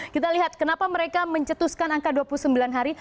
kita lihat kenapa mereka mencetuskan angka dua puluh sembilan hari